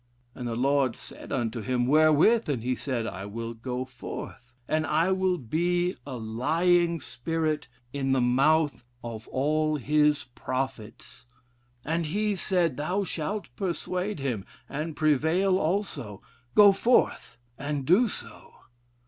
And the Lord said unto him wherewith? And he said, I will go forth, and I will be a lying spirit in the mouth of all his prophets. And he said, thou shalt persuade him, and prevail also. Go forth and do so.